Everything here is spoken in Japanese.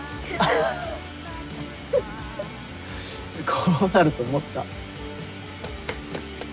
こうなると思った。